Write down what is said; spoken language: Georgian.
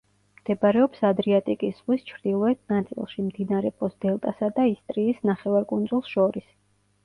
მდებარეობს ადრიატიკის ზღვის ჩრდილოეთ ნაწილში, მდინარე პოს დელტასა და ისტრიის ნახევარკუნძულს შორის.